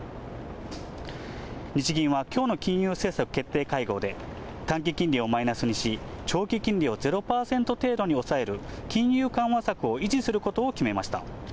日銀はきょうの金融政策決定会合で、短期金利をマイナスにし、長期金利を０％程度に抑える、金融緩和策を維持することを決めました。